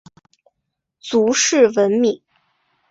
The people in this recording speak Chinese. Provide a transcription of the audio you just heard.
卒谥文敏。